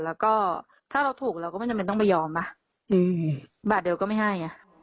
แล้วก็ถ้าเราถูกเราก็ไม่จำเป็นต้องไปยอมป่ะบาทเดียวก็ไม่ให้